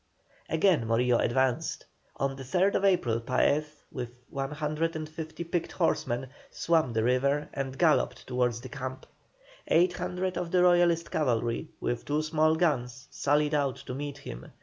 Again Morillo advanced. On the 3rd April Paez, with 150 picked horsemen, swam the river and galloped towards the camp. Eight hundred of the Royalist cavalry, with two small guns, sallied out to meet him.